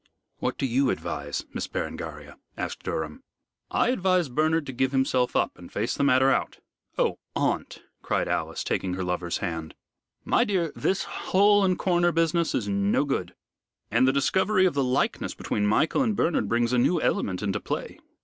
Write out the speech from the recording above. "What do you advise, Miss Berengaria?" asked Durham. "I advise Bernard to give himself up, and face the matter out." "Oh, aunt!" cried Alice, taking her lover's hand. "My dear, this hole and corner business is no good. And the discovery of the likeness between Michael and Bernard brings a new element into play.